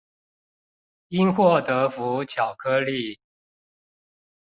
因禍得福巧克力